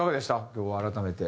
今日改めて。